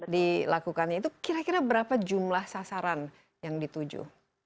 dilakukannya itu kira kira berapa jumlah sasaran yang dituju